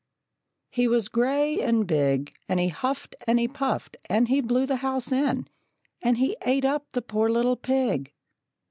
He was gray and big, And he huffed and he puffed and he blew the house in, And he ate up the poor little pig.